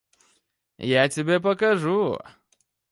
Я тебе покажу.